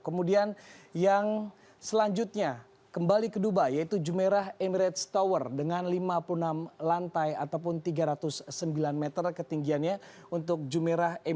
kemudian yang selanjutnya kembali ke dubai yaitu jumerah emirates tower dengan lima puluh enam lantai ataupun tiga ratus sembilan meter ketinggiannya untuk jumerah